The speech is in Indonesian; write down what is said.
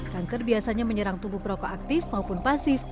kanker biasanya menyerang tubuh perokok aktif maupun pasif